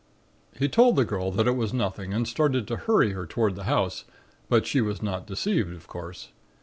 He told the girl that it was nothing and started to hurry her toward the house, but she was not deceived, of course.